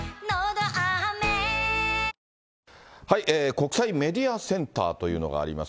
国際メディアセンターというのがあります。